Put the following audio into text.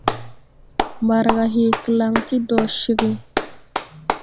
Mbargà hee klaŋ ti dɔ ceg.